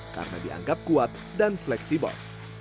karena dianggap kuat dan fleksibel